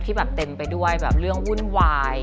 ที่เต็มไปด้วยเรื่องวุ่นวาย